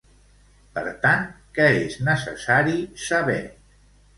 Per tant, què és necessari saber?